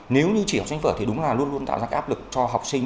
nếu như chỉ học sinh vở thì đúng là luôn luôn tạo ra cái áp lực cho học sinh